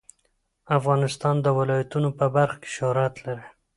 افغانستان د ولایتونو په برخه کې شهرت لري.